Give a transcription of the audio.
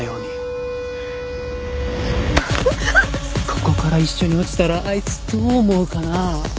ここから一緒に落ちたらあいつどう思うかな。